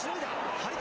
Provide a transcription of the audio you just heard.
張り手。